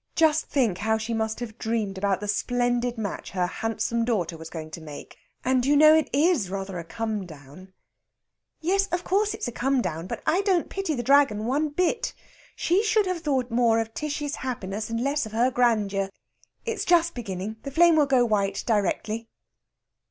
Just think how she must have dreamed about the splendid match her handsome daughter was going to make! And, you know, it is rather a come down...." "Yes, of course it's a come down. But I don't pity the Dragon one bit. She should have thought more of Tishy's happiness, and less of her grandeur. (It's just beginning; the flame will go white directly.)"